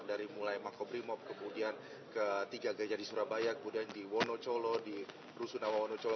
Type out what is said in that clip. dari mulai makobrimob kemudian ke tiga gajah di surabaya kemudian di wonocolo di rusunawa wonocolo